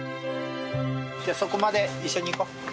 じゃあそこまで一緒に行こう。